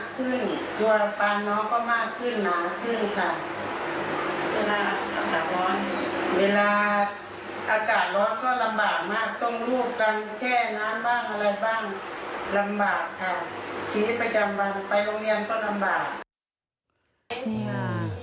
ชีวิตประจำวันไปโรงเรียนก็ลำบาก